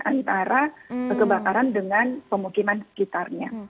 antara kebakaran dengan pemukiman sekitarnya